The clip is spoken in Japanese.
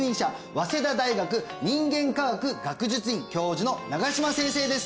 早稲田大学人間科学学術院教授の永島先生です